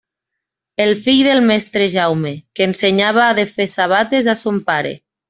El fill del mestre Jaume, que ensenyava de fer sabates a son pare.